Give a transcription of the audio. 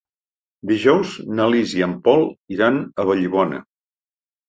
Dijous na Lis i en Pol iran a Vallibona.